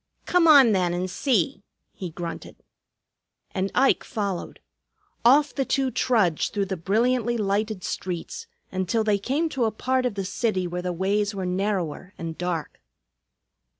"Come on, then, and see," he grunted. And Ike followed. Off the two trudged, through the brilliantly lighted streets, until they came to a part of the city where the ways were narrower and dark.